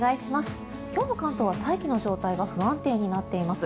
今日の関東は大気の状態が不安定になっています。